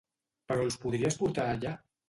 Però els podries portar allà!